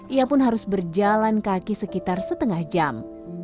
ia pun harus berjalan kaki sekitar setengah jam